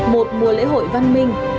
một mùa lễ hội văn minh